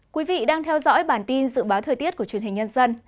quý vị đang theo dõi bản tin dự báo thời tiết của truyền hình nhân dân